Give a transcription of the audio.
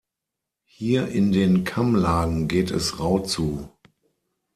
Hier in den Kammlagen geht es rau zu.